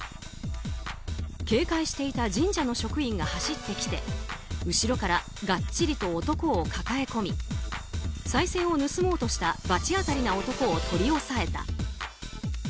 警戒していた神社の職員が走ってきて後ろからがっちりと男を抱え込みさい銭を盗もうとした罰当たりな男を取り押さえた。